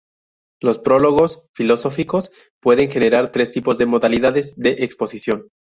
Los "prólogos filosóficos" pueden generar tres tipos o modalidades de exposición.